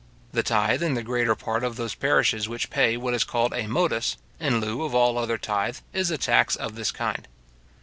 The tythe in the greater part of those parishes which pay what is called a modus, in lieu of all other tythe is a tax of this kind.